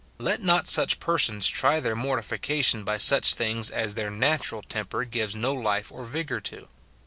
Let not such persons try their mor tification by such things as their natural temper gives no life or vigour to.